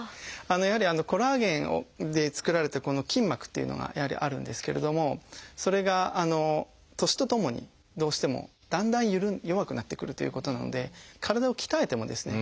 やはりコラーゲンで作られた筋膜っていうのがあるんですけれどもそれが年とともにどうしてもだんだん弱くなってくるということなので体を鍛えてもですね